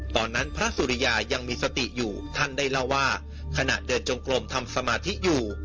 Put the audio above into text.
ตอนนั้นพระสุริยายังมีสติอยู่ท่านได้เล่าว่าขณะเดินจงกลมทำสมาธิอยู่